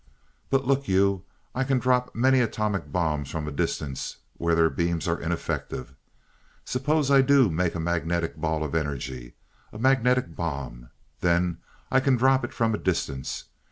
"But look you, I can drop many atomic bombs from a distance where their beams are ineffective. Suppose I do make a magnetic ball of energy, a magnetic bomb. Then I can drop it from a distance!